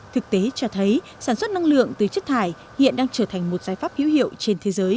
thực tế cho thấy sản xuất năng lượng từ chất thải hiện đang trở thành một giải pháp hiếu hiệu trên thế giới